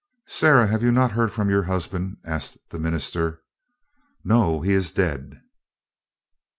"Sarah, have you not heard from your husband?" asked the minister. "No; he is dead."